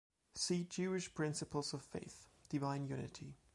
See Jewish principles of faith: Divine Unity.